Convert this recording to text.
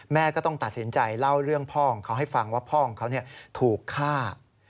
ก็ต้องตัดสินใจเล่าเรื่องพ่อของเขาให้ฟังว่าพ่อของเขาถูกฆ่า